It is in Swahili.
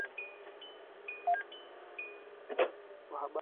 wa Habari wa Ulimwenguni Kote wa Uchafuzi